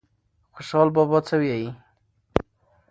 خوشال بابا څه وایي؟